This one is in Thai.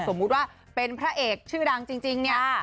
สมมุติว่าเป็นพระเอกชื่อดังจริงเนี่ย